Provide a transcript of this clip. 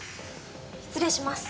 失礼します。